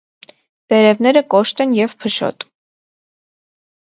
Տերևները կոշտ են և փշոտ։